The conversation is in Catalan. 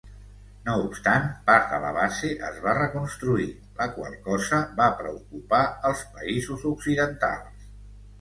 No obstant, part de la base es va reconstruir, la qual cosa va preocupar els països occidentals.